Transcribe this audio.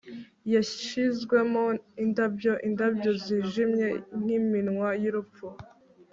yashizwemo indabyo-indabyo zijimye nk'iminwa y'urupfu